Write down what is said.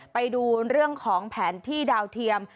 ไปดูเรื่องของแผนที่ดาวเทียม